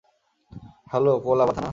Hello, Colaba থানা।